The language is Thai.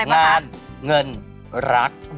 งานเงินรัก